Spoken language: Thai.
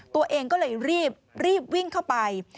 ตัวเองก็เลยรีบวิ่งเข้าไป